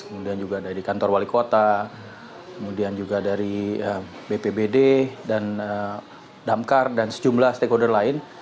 kemudian juga dari kantor wali kota kemudian juga dari bpbd dan damkar dan sejumlah stakeholder lain